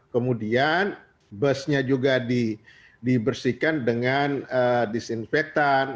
kemudian busnya juga dibersihkan dengan disinfektan